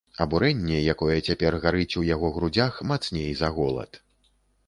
Абурэнне, якое цяпер гарыць у яго грудзях, мацней за голад.